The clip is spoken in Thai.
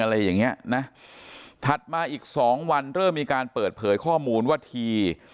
อะไรอย่างเงี้ยนะถัดมาอีกสองวันเริ่มมีการเปิดเผยข้อมูลว่าที